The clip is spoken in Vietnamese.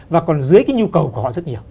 và còn dưới cái nhu cầu của họ rất nhiều